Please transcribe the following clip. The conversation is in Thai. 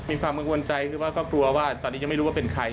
มีความกังวลใจหรือว่าก็กลัวว่าตอนนี้ยังไม่รู้ว่าเป็นใคร